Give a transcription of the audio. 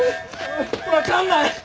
わかんない！